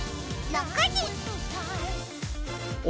６時！